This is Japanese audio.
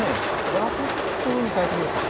ガラスのコップに替えてみようか。